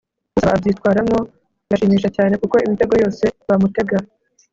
usaba abyitwaramo burashimisha cyane, kuko imitego yose bamutega